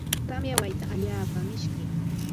Tamya wayta allaapa mishkim.